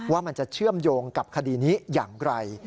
ว่ามันจะเชื่อมโยงกับคดีนี้อย่างไร